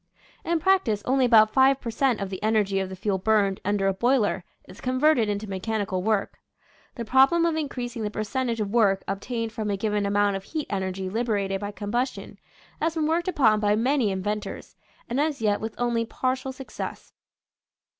In prac tice only about 5 per cent, of the energy of the fuel burned under a boiler is converted into mechanical work. The problem of in creasing the percentage of work obtained from a given amount of heat energy liberated by combustion has been worked upon by many in ventors, and as yet with only partial success.